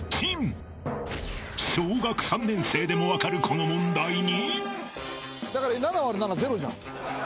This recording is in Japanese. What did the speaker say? ［小学３年生でも分かるこの問題に］